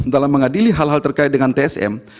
dalam mengadili hal hal terkait dengan tsm